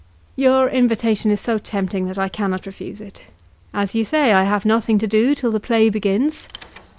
Your invitation is so tempting that I cannot refuse it. As you say, I have nothing to do till the play begins.